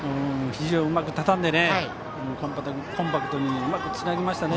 ひじをうまくたたんでコンパクトにうまくつなぎました。